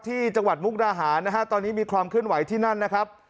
จังหวัดมุกดาหารนะฮะตอนนี้มีความเคลื่อนไหวที่นั่นนะครับ